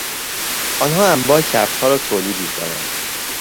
آنها انواع کفشها را تولید میکنند.